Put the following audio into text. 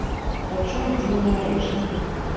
І пачула дзіўныя рэчы.